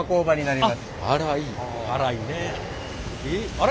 あれ？